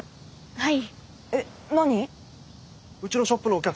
はい。